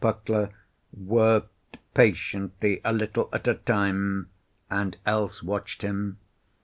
Puckler worked patiently a little at a time, and Else watched him.